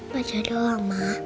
baca doang mbak